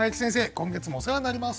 今月もお世話になります。